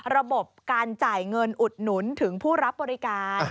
ระบบการจ่ายเงินอุดหนุนถึงผู้รับบริการ